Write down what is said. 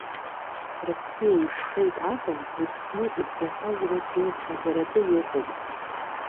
Рыԥсы еиқәхеит акәым, иԥсны ибзахаз реиԥш иуԥхьаӡаратәы иҟоуп.